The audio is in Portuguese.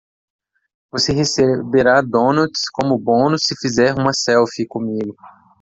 Você receberá donuts como bônus se fizer uma selfie comigo.